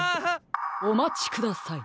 おまちください。